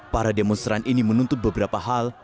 para demonstran ini menuntut beberapa hal